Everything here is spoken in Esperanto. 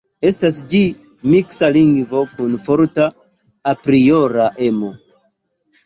Estas ĝi miksa lingvo kun forta apriora emo.